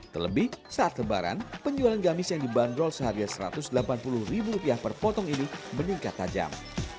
terlebih saat lebaran penjualan gamis yang dibanderol seharga rp satu ratus delapan puluh ribu rupiah per potong ini meningkat tajam